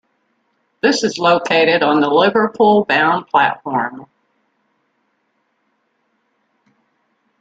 This is located on the Liverpool-bound platform.